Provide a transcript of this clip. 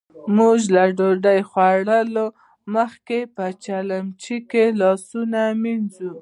موژ له ډوډۍ خوړلو مخکې په چیلیمچې کې لاسونه مينځو.